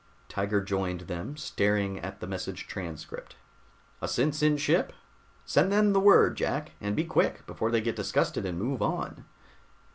Tiger joined them, staring at the message transcript. "A SinSin ship! Send them the word, Jack, and be quick, before they get disgusted and move on."